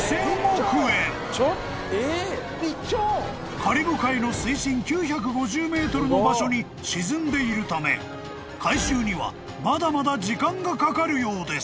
［カリブ海の水深９５０ｍの場所に沈んでいるため回収にはまだまだ時間がかかるようです］